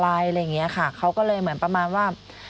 อะไรอย่างเงี้ยค่ะเขาก็เลยเหมือนประมาณว่า